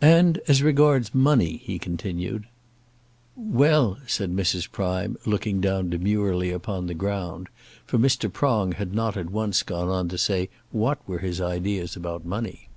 "And as regards money," he continued. "Well," said Mrs. Prime, looking down demurely upon the ground, for Mr. Prong had not at once gone on to say what were his ideas about money.